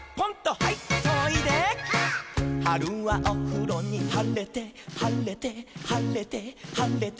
「はるはおふろにはれてはれてはれてはれて」